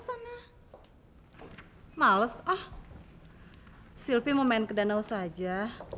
sampai jumpa di video selanjutnya